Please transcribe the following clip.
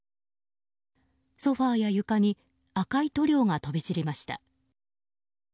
ソファや床に赤い塗料が飛び散りました。